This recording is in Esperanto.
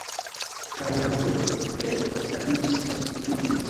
Kaj la pupiloj ree larĝiĝis kaj ekmoviĝis.